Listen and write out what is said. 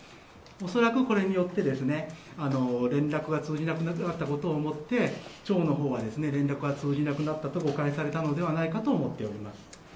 恐らく、これによって連絡が通じなくなったことと思って庁のほうは連絡が通じなくなったと誤解されたのではと思っております。